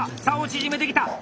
縮めてきた！